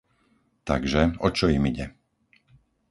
Takže, o čo im ide?